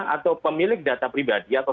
atau pemilik data pribadi atau